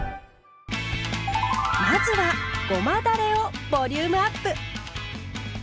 まずはごまだれをボリュームアップ！